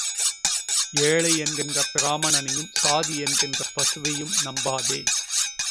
ஏழை என்கிற பிராமணனையும் சாது என்கிற பசுவையும் நம்பாதே.